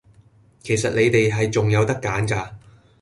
其實你哋係仲有得揀㗎